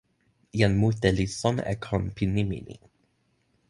jan mute li sona e kon pi nimi ni.